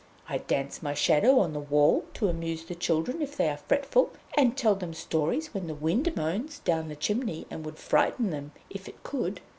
I dance my shadow on the wall to amuse the children if they are fretful, and tell them stories when the wind moans down the chimney and would frighten them if it could.